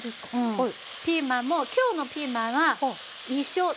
はい。